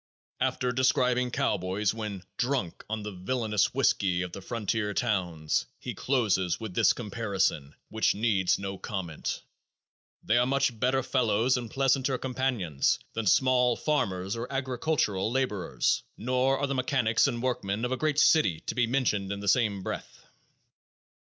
After describing cowboys when "drunk on the villainous whiskey of the frontier towns," he closes with this comparison, which needs no comment: "They are much better fellows and pleasanter companions than small farmers or agricultural laborers; nor are the mechanics and workmen of a great city to be mentioned in the same breath."